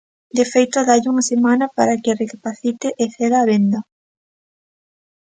De feito, dálle unha semana para que "recapacite e ceda á venda".